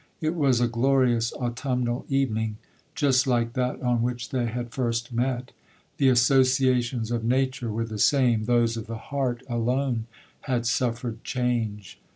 It was a glorious autumnal evening, just like that on which they had first met,—the associations of nature were the same, those of the heart alone had suffered change.